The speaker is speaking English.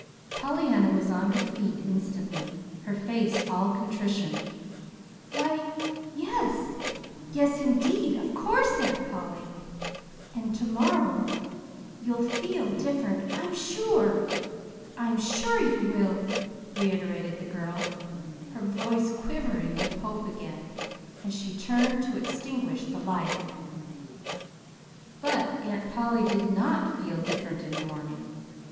Pollyanna was on her feet instantly, her face all contrition. "Why, yes yes, indeed; of course, Aunt Polly! And to morrow you'll feel different, I'm sure. I'm sure you will," reiterated the girl, her voice quivering with hope again, as she turned to extinguish the light. But Aunt Polly did not "feel different" in the morning.